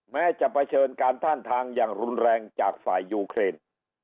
แม้จะเผชิญการท่าทางอย่างรุนแรงจากฝ่ายยูเครน